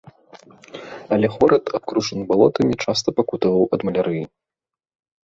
Але горад, абкружаны балотамі, часта пакутаваў ад малярыі.